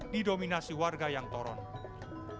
sebuah kawasan yang terlihat sangat penting